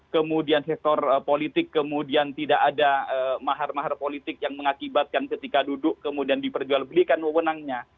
kemudian sektor politik kemudian tidak ada mahar mahar politik yang mengakibatkan ketika duduk kemudian diperjualbelikan wewenangnya